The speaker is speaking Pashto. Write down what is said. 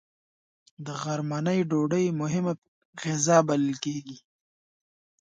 د غرمنۍ ډوډۍ مهمه غذا بلل کېږي